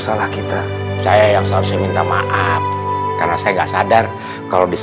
salah kita saya yang moses minta maaf karena saya nggak sadar kalaubis